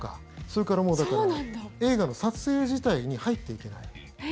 それから映画の撮影自体に入っていけない。